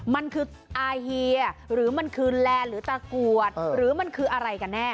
มันคืออาเฮียหรือมันคือแลนดหรือตะกรวดหรือมันคืออะไรกันแน่